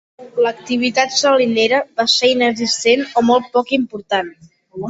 L'activitat salinera va ser inexistent o molt poc important.